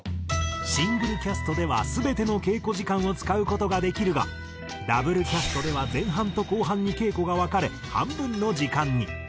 シングルキャストでは全ての稽古時間を使う事ができるがＷキャストでは前半と後半に稽古が分かれ半分の時間に。